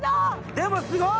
でもすごい！